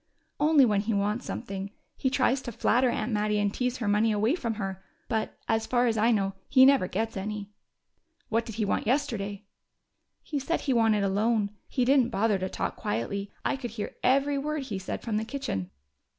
"Only when he wants something. He tries to flatter Aunt Mattie and tease her money away from her. But, as far as I know, he never gets any." "What did he want yesterday?" "He said he wanted a loan. He didn't bother to talk quietly: I could hear every word he said from the kitchen."